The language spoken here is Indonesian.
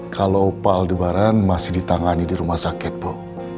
kalo opal debaran masih ditangani di rumah sakit bu